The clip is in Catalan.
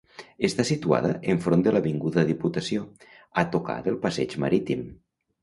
Està situada enfront de l’avinguda Diputació, a tocar del passeig marítim.